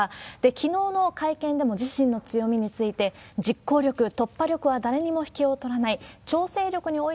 きのうの会見でも自身の強みについて、実行力、突破力は誰にも引けを取らない。